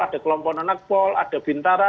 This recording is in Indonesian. ada kelompok non akpol ada bintara